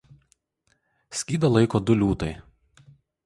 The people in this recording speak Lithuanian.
Skydą laiko du liūtai.